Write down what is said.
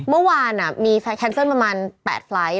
เมื่อวานมีไฟแคนเซิลประมาณ๘ไฟล์ท